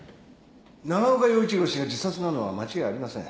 長岡洋一郎氏が自殺なのは間違いありません。